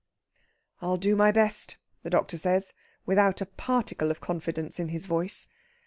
"I'll do my best," the doctor says, without a particle of confidence in his voice.